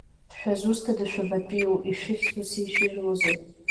Шәызусҭқәада, шәабатәиу, ишәыхьӡузеи, ишәыжәлоузеи?